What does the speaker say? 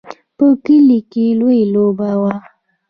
په کلي کې لویه لوبه وه.